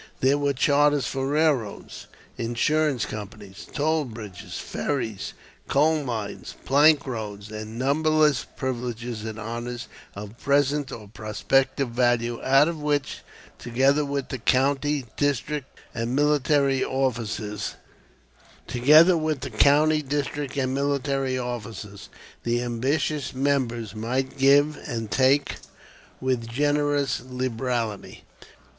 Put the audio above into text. There were charters for railroads, insurance companies, toll bridges, ferries, coal mines, plank roads, and numberless privileges and honors of present or prospective value out of which, together with the county, district, and military offices, the ambitious members might give and take with generous liberality.